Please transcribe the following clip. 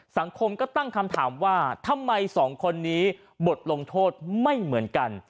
สังคมก็ตั้งคำถามว่าทำไมสองคนนี้บทลงโทษไม่เหมือนกัน